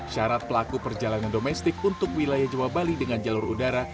syarat pelaku perjalanan domestik untuk wilayah jawa bali dengan jalur udara